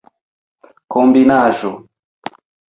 kombinaĵo